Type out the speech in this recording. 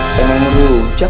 kamu juga merujak